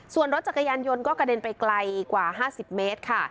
ส่วนรถจักรยานยนต์ก็กระเด็นไปไกลกว่า๕๐เมตรค่ะ